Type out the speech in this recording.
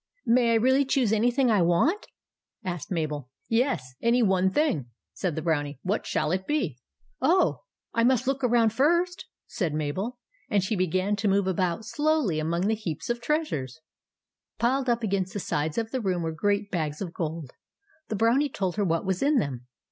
" May I really choose anything I want ?" asked Mabel. " Yes, any one thing," said the Brownie. " What shall it be ?"" Oh, I must look all around first," said Mabel; and she began to move about slowly among the heaps of treasure. Piled up against the sides of the room were great bags of gold. The Brownie told her what was in them.